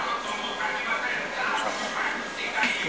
ถี้เชิง